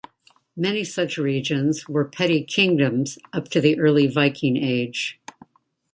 Many such regions were petty kingdoms up to the early Viking age.